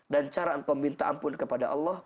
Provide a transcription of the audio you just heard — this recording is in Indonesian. dan cara minta ampun kepada allah